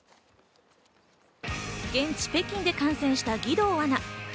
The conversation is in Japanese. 現地、北京で観戦した義堂アナ。